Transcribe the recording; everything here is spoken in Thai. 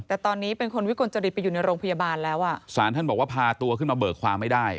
แต่ตอนนี้เป็นคนวิกลจริตไปอยู่ในโรงพยาบาลแล้วอ่ะสารท่านบอกว่าพาตัวขึ้นมาเบิกความไม่ได้